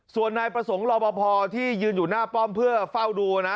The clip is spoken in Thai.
ส่วนนายประสงค์รอบพอที่ยืนอยู่หน้าป้อมเพื่อเฝ้าดูนะ